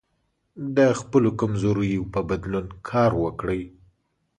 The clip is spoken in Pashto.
د خپلو کمزوریو په بدلون کار وکړئ.